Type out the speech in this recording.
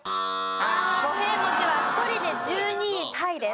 五平餅は１人で１２位タイです。